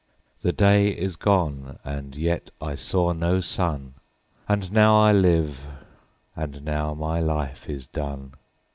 5The day is gone and yet I saw no sun,6And now I live, and now my life is done.